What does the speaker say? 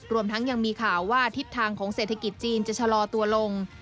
รวมทั้งยังมีข่าวว่าทิศทางของเศรษฐกิจจีนจะชะลอตัวลง